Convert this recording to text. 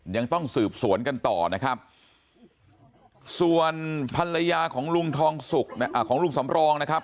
ยังต้องสืบสวนกันต่อนะครับส่วนภรรยาของลุงทองสุกของลุงสำรองนะครับ